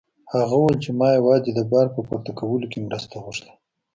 هغه وویل چې ما یوازې د بار په پورته کولو کې مرسته غوښته.